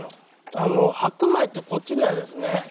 あの白米ってこっちではですね